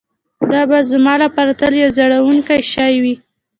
دا به زما لپاره تل یو ځورونکی شی وي